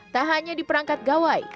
tak hanya di perangkat gawai